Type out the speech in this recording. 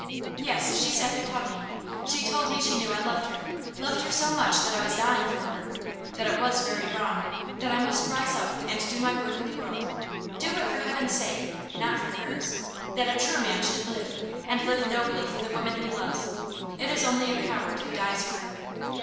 "Yes, she sat there, talking. She told me she knew I loved her loved her so much that I was dying for her; that it was very wrong; that I must rise up and do my work in the world do it for heaven's sake, not for hers; that a true man should live, and live nobly for the woman he loves it is only a coward who dies for her."